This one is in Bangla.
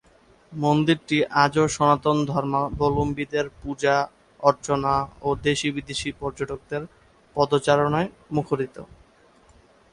মন্দিরটি আজও সনাতন ধর্মাবলম্বীদের পূজা-অর্চনা ও দেশি- বিদেশি পর্যটকদের পদচারণয় মুখরিত।